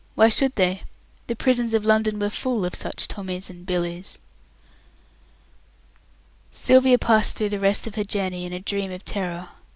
Why should they? The prisons of London were full of such Tommys and Billys. Sylvia passed through the rest of her journey in a dream of terror.